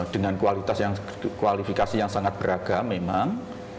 dengan kualifikasi yang sangat beragam memang